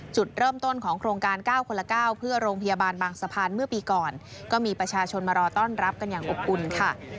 จุดเริ่มต้นของโครงการ๙คนละ๙เพื่อโรงพยาบาลบางสะพานเมื่อปีก่อนก็มีประชาชนมารอต้อนรับกันอย่างอบอุ่นค่ะ